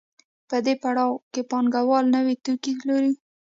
په دې پړاو کې پانګوال نوي توکي پلوري